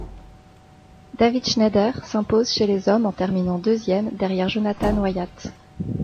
David Schneider s'impose chez les hommes en terminant deuxième derrière Jonathan Wyatt.